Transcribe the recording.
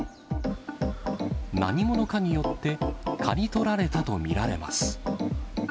何者かによって刈り取られたと見られます。